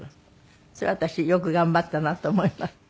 それは私よく頑張ったなと思います。